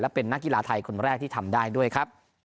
เป็นนักกีฬาไทยคนแรกที่ทำได้ด้วยครับ